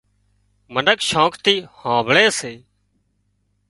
منک شوق ٿِي هامڀۯي سي